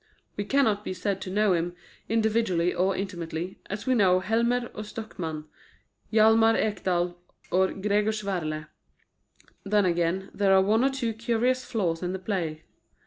We cannot be said to know him, individually and intimately, as we know Helmer or Stockmann, Hialmar Ekdal or Gregors Werle. Then, again, there are one or two curious flaws in the play.